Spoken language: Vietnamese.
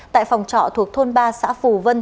tại phòng trọ thuộc thôn ba xã phù vân